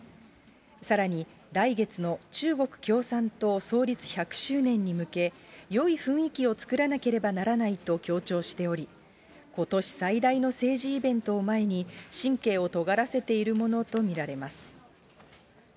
さらに、来月の中国共産党創立１００周年に向け、よい雰囲気を作らなければならないと強調しており、ことし最大の政治イベントを前に、神経をとがらせているものと見られます。